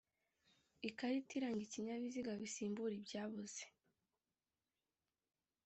ikarita iranga ikinyabiziga bisimbura ibyabuze.